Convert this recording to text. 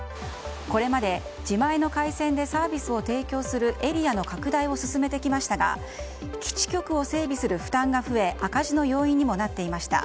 これまで自前の回線でサービスを提供するエリアの拡大を進めてきましたが基地局を整備する負担が増え赤字の要因にもなっていました。